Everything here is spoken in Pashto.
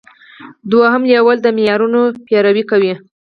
دوهم لیول د معیارونو پیروي کوي.